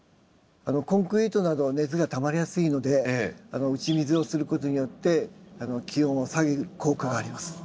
コンクリートなどは熱がたまりやすいので打ち水をすることによって気温を下げる効果があります。